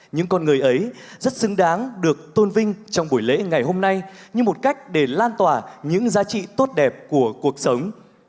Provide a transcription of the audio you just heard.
những con người ấy rất xứng đáng được tôn vinh trong buổi lễ ngày hôm nay như một cách để lan tỏa những giá trị tốt đẹp của cuộc sống